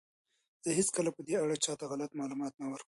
زه هیڅکله په دې اړه چاته غلط معلومات نه ورکوم.